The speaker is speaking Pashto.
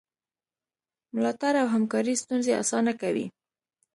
ملاتړ او همکاري ستونزې اسانه کوي.